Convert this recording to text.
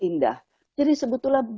indah jadi sebetulnya